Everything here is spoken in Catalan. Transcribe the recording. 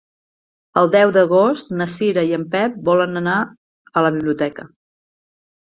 El deu d'agost na Cira i en Pep volen anar a la biblioteca.